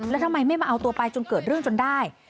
แล้วทำไมไม่มาเอาตัวไปจนเกิดเรื่องจนได้